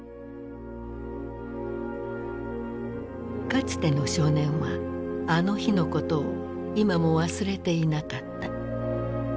かつての少年はあの日のことを今も忘れていなかった。